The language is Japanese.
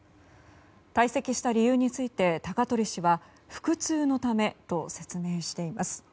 退席した理由について高鳥氏は腹痛のためと説明しています。